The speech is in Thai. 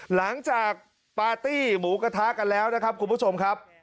หลังจากปาร์ตี้หมูกระทะกันแล้วนะครับคุณผู้ชมครับ